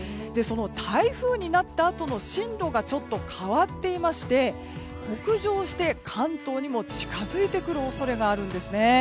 台風になったあとの進路がちょっと変わっていまして北上して関東にも近づいてくる恐れがあるんですね。